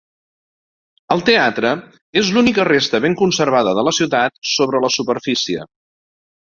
El teatre és l'única resta ben conservada de la ciutat sobre la superfície.